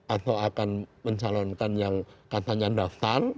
atau akan mencalonkan yang katanya daftar